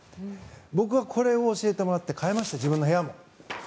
僕はこれを教えてもらって変えました、自分の部屋。